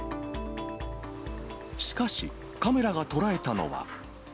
しかし、カメラが捉えたのは。